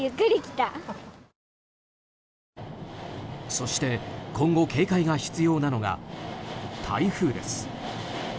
そして、今後警戒が必要なのが台風です。